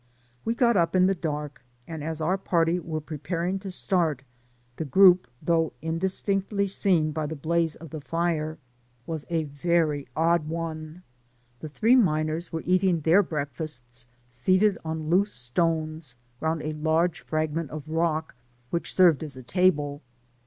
We got up in the dark, and as our party were preparing to start, the group, though in distinctly seen by the blaze of the fire, was a very odd one. The three miners were eating their breakfasts seated on loose stones round a large frag ment of rock, which served as a table.